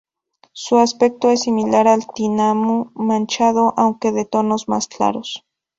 Su aspecto es similar al tinamú manchado aunque de tonos más claros.